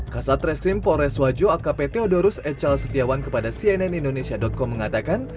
kasat reskrim polres wajo akp theodorus ecal setiawan kepada cnn indonesia com mengatakan